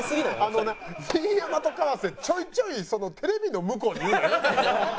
あのな新山と川瀬ちょいちょいテレビの向こうに言うのやめてくれる？